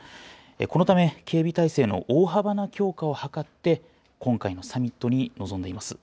このため、警備態勢の大幅な強化を図って、今回のサミットに臨んでいます。